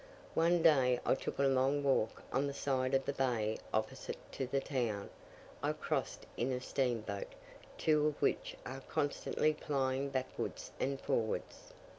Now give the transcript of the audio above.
One day I took a long walk on the side of the bay opposite to the town: I crossed in a steam boat, two of which are constantly plying backwards and forwards.